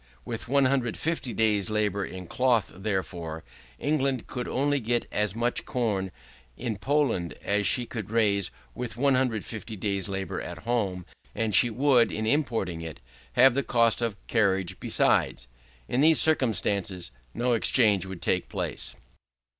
With 150 days' labour in cloth, therefore, England would only get as much corn in Poland as she could raise with 150 days' labour at home; and she would, in importing it, have the cost of carriage besides. In these circumstances no exchange would take place.